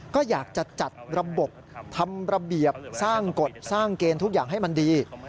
ก็อยากจะจัดระบบทำระเบียบสร้างกฎสร้างเกณฑ์ทุกอย่างให้มันดี